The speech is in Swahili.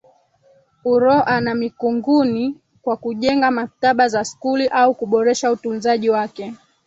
Uroa na Mikunguni kwa kujenga maktaba za skuli au kuboresha utunzaji wake.